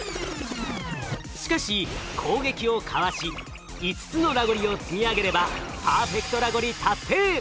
しかし攻撃をかわし５つのラゴリを積み上げればパーフェクトラゴリ達成！